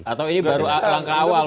atau ini baru langkah awal